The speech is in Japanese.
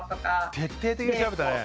徹底的に調べたね。